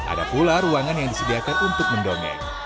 ada pula ruangan yang disediakan untuk mendongeng